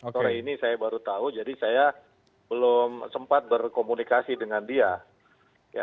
sore ini saya baru tahu jadi saya belum sempat berkomunikasi dengan dia